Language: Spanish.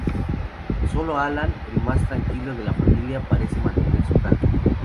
Sólo Alan, el más tranquilo de la familia, parece mantener su calma.